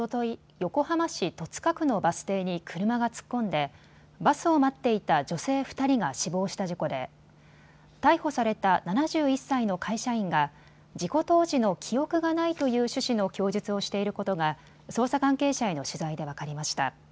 横浜市戸塚区のバス停に車が突っ込んでバスを待っていた女性２人が死亡した事故で逮捕された７１歳の会社員が事故当時の記憶がないという趣旨の供述をしていることが捜査関係者への取材で分かりました。